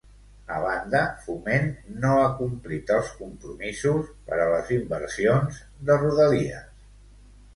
A banda, Foment no ha complit els compromisos per a les inversions de Rodalies.